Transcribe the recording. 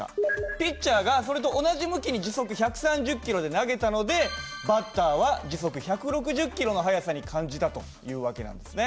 ピッチャーがそれと同じ向きに時速１３０キロで投げたのでバッターは時速１６０キロの速さに感じたという訳なんですね。